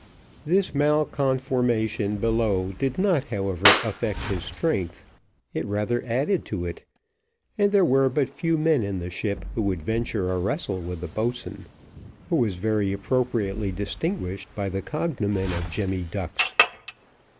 This malconformation below did not, however, affect his strength, it rather added to it; and there were but few men in the ship who would venture a wrestle with the boatswain, who was very appropriately distinguished by the cognomen of Jemmy Ducks.